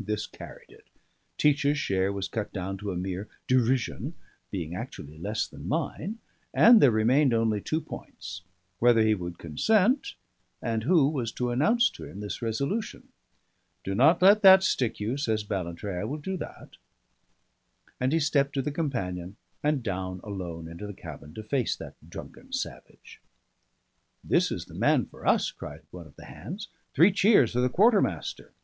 This carried it; Teach's share was cut down to a mere derision, being actually less than mine; and there remained only two points: whether he would consent, and who was to announce to him this resolution. "Do not let that stick you," says Ballantrae, "I will do that." And he stepped to the companion and down alone into the cabin to face that drunken savage. "This is the man for us," cried one of the hands. "Three cheers for the quartermaster!"